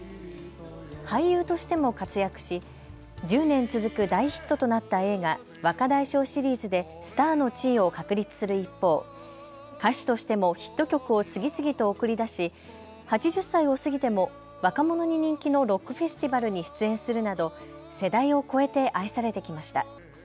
俳優としても活躍し１０年続く大ヒットとなった映画、若大将シリーズでスターの地位を確立する一方、歌手としてもヒット曲を次々と送り出し８０歳を過ぎても若者に人気のロックフェスティバルに出演するなど世代を超えて愛されてきました。